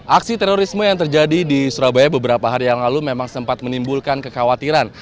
aksi terorisme yang terjadi di surabaya beberapa hari yang lalu memang sempat menimbulkan kekhawatiran